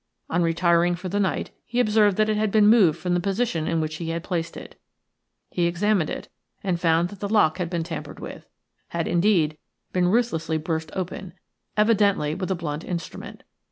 On retiring for the night he observed that it had been moved from the position in which he had placed it. He examined it and found that the lock had been tampered with – had, indeed, been ruthlessly burst open, evidently with a blunt instrument.